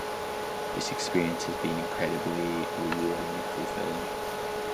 This experience has been incredibly rewarding and fulfilling.